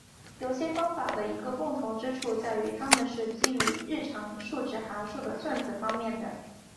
有些方法的一个共同之处在于它们是基于日常数值函数的算子方面的。